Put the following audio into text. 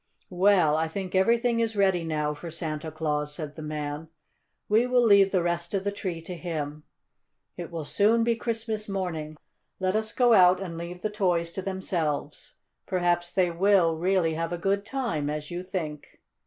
"Well, I think everything is ready now for Santa Claus," said the man. "We will leave the rest of the tree to him. It will soon be Christmas morning. Let us go out and leave the toys to themselves. Perhaps they will really have a good time, as you think."